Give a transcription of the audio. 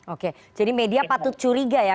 oke jadi media patut curiga ya